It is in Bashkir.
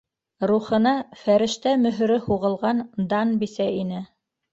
Рухына фәрештә мөһөрө һуғылған дан бисә ине.